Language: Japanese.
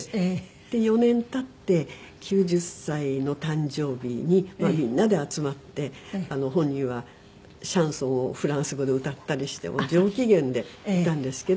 で４年経って９０歳の誕生日にみんなで集まって本人はシャンソンをフランス語で歌ったりして上機嫌でいたんですけど。